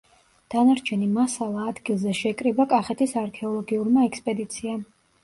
დანარჩენი მასალა ადგილზე შეკრიბა კახეთის არქეოლოგიურმა ექსპედიციამ.